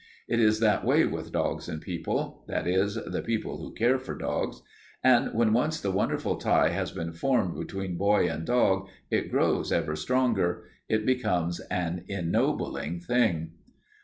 It is that way with dogs and people that is, the people who care for dogs. And when once the wonderful tie has been formed between boy and dog it grows ever stronger. It becomes an ennobling thing.